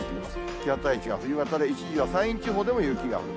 気圧配置が冬型で、一時は山陰地方でも雪が降る。